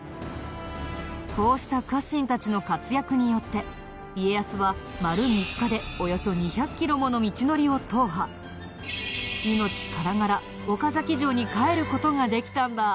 こうした家臣たちの活躍によって家康は命からがら岡崎城に帰る事ができたんだ。